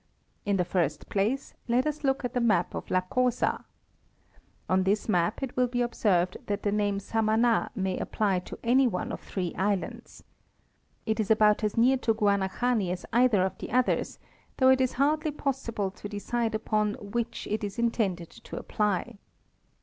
In the first place, let us look at the map of la Cosa* (see plate 10). On this map it will be observed that the name Saman4 may apply to any one of three islands. It is about as near to Guanahani as either of the others, though it is hardly possible to decide upon which it is intended to apply.